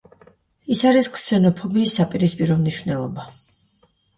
ის არის ქსენოფობიის საპირისპირო მნიშვნელობა.